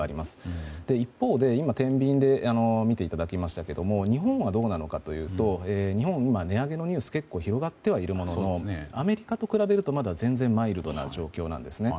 一方で、今天秤で見ていただきましたが日本は今、値上げのニュースが結構、広がっているもののアメリカと比べると、まだ全然マイルドな状況なんですね。